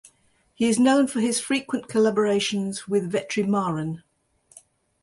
He is known for his frequent collaborations with Vetrimaaran.